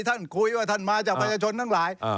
คุยว่าท่านมาจากประชาชนทั้งหลาย